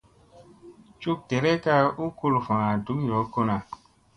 Cuk ɗerekka u kuluffa duk yoo kuna.